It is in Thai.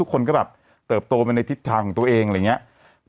คนก็แบบเติบโตไปในทิศทางของตัวเองอะไรอย่างนี้